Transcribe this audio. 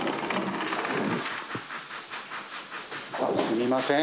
すみません。